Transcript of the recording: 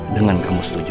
dengan kamu setuju